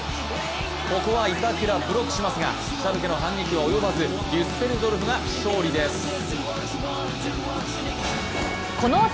ここは板倉、ブロックしますがシャルケの反撃は及ばずデュッセルドルフが勝利です。